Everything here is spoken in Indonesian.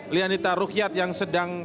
lianita rukyat yang sedang